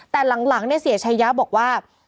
แต่หลังเนี่ยเสียชัยย้าบอกว่า